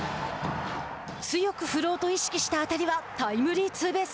強く振ろうと意識した当たりはタイムリーツーベース。